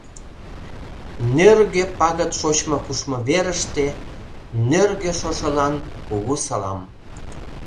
Нӧргӧ пагыт шочмо-кушмо верыште, Нӧргӧ шошылан — кугу салам.